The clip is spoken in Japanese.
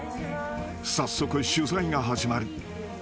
［早速取材が始まる］